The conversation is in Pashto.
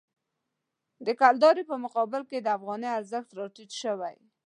د کلدارې په مقابل کې د افغانۍ ارزښت راټیټ شوی.